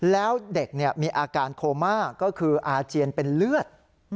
แล้วเด็กมีอาการโคม่าก็คืออาเจียนเป็นเลือด